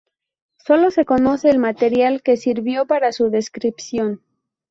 Solo se conoce el material que sirvió para su descripción.